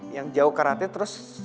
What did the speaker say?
yang jauh karatnya terus